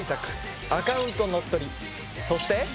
そして！